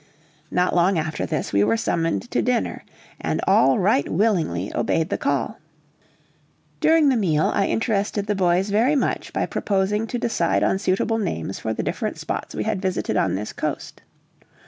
Not long after this, we were summoned to dinner, and all right willingly obeyed the call. During the meal I interested the boys very much by proposing to decide on suitable names for the different spots we had visited on this coast.